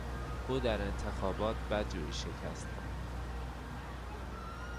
او در انتخابات بدجوری شکست خورد.